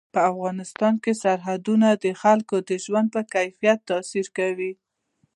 په افغانستان کې سرحدونه د خلکو د ژوند په کیفیت تاثیر کوي.